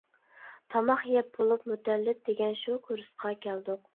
تاماق يەپ بولۇپ مۇتەللىپ دېگەن شۇ كۇرسقا كەلدۇق.